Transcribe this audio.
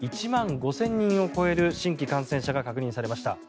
１万５０００人を超える新規感染者が確認されました。